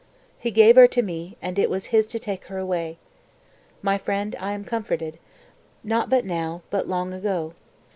He gave her to me, and it was His to take her away. My friend, I am comforted, not but now, but long ago.